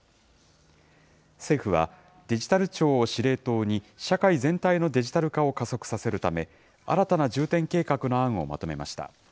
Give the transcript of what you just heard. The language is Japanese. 政府は、デジタル庁を司令塔に社会全体のデジタル化を加速させるため、新たな重点計画の案をまとめました。